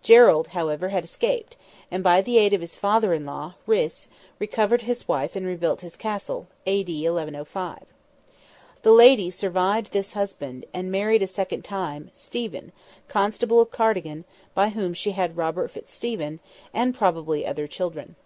Gerald, however, had escaped, and by the aid of his father in law, Rhys, recovered his wife and rebuilt his castle (A.D. 1105). The lady survived this husband, and married a second time, Stephen, constable of Cardigan, by whom she had Robert Fitzstephen, and probably other children.